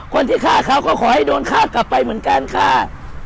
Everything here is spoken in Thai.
คนที่ฆ่าเขาก็ขอให้โดนฆ่ากลับไปเหมือนกันค่ะ